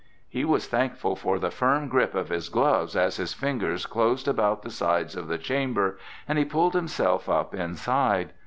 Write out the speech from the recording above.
He was thankful for the firm grip of his gloves as his fingers closed about the sides of the chamber and he pulled himself up inside.